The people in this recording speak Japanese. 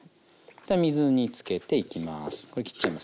水につけていきます。